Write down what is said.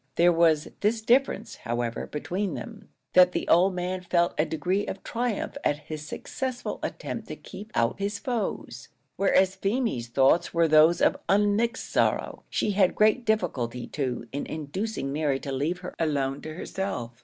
There was this difference, however, between them that the old man felt a degree of triumph at his successful attempt to keep out his foes, whereas Feemy's thoughts were those of unmixed sorrow. She had great difficulty too in inducing Mary to leave her alone to herself.